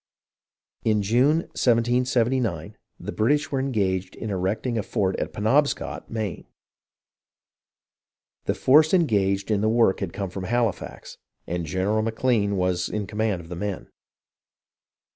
In June, 1779, the British were engaged in erecting a fort at Penobscot (Castine), Maine. The force engaged in the work had come from Halifax, and General McLean was in command of the men.